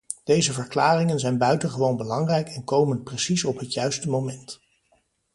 Deze verklaringen zijn buitengewoon belangrijk en komen precies op het juiste moment.